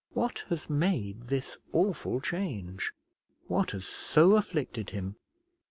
What has made this awful change? what has so afflicted him?